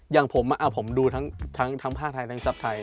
อย่างผมอ่ะผมดูทั้งทั้งทั้งภาคไทยทั้งซับไทย